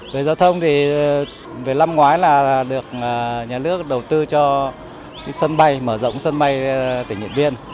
về giao thông thì về năm ngoái là được nhà nước đầu tư cho sân bay mở rộng sân bay tỉnh điện biên